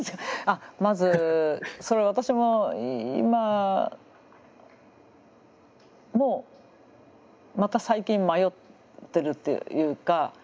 まずそれは私も今もまた最近迷ってるというか。